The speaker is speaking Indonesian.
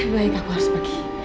baik aku harus pergi